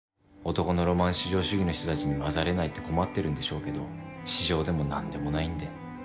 男のロマン至上主義の人たちに交ざれないって困ってるんでしょうけど至上でも何でもないんで。